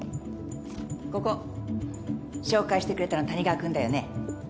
ここ紹介してくれたの谷川君だよね？